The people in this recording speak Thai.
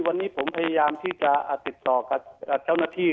วันนี้ผมพยายามที่จะติดต่อกับเจ้าหน้าที่